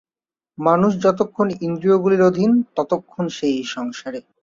মানুষ যতক্ষণ ইন্দ্রিয়গুলির অধীন, ততক্ষণ সে এই সংসারের।